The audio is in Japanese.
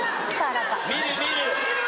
見る見る。